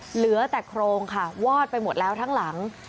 เหลือแต่โครงค่ะวอดไปหมดแล้วทั้งหลัง